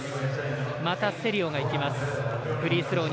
またセリオがいきます。